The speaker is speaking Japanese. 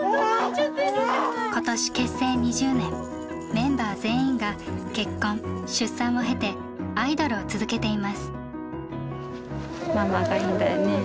メンバー全員が結婚出産を経てアイドルを続けています。